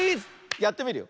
やってみるよ。